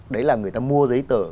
đấy là người ta mua giấy tờ